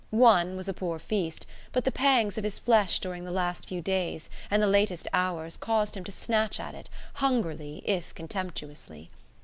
One was a poor feast, but the pangs of his flesh during the last few days and the latest hours caused him to snatch at it, hungrily if contemptuously.